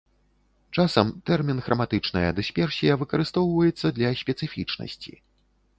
Часам тэрмін храматычная дысперсія выкарыстоўваецца для спецыфічнасці.